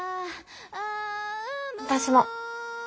私も。